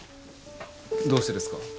どうしてですか？